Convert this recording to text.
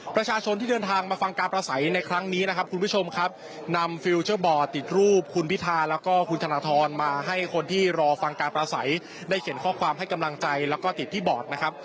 ประชาชนที่เดินทางมาฟังการประสัยในครั้งนี้นะครับคุณผู้ชมครับนำฟิลเจอร์บอร์ดติดรูปคุณพิธาแล้วก็คุณธนทรมาให้คนที่รอฟังการประสัยได้เขียนข้อความให้กำลังใจแล้วก็ติดที่บอร์ดนะครับ